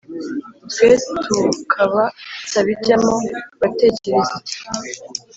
twe tukaba tutabijyamo uratekereza iki